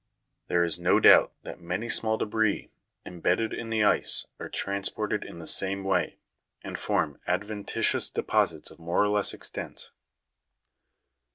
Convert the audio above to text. There is no doubt that many small debris, embedded in the ice, are transported in the same way, and form adventitious deposits of more or less extent.